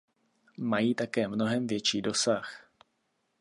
Mají také mnohem větší dosah.